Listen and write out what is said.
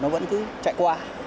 nó vẫn cứ chạy qua